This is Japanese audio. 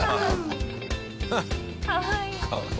かわいい。